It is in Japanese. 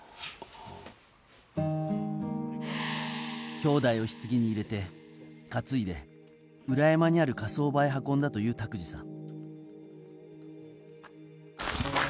きょうだいをひつぎに入れて担いで裏山にある火葬場へ運んだという拓治さん。